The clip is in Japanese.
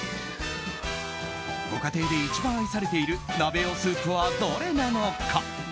ご家庭で一番愛されている鍋用スープはどれなのか。